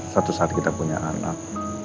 suatu saat kita punya anak